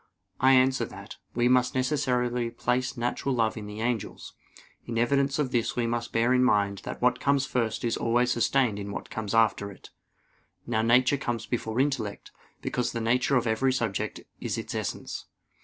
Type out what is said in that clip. I answer that, We must necessarily place natural love in the angels. In evidence of this we must bear in mind that what comes first is always sustained in what comes after it. Now nature comes before intellect, because the nature of every subject is its essence.